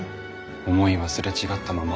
思いは擦れ違ったまま。